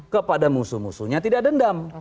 kepada musuh musuhnya tidak dendam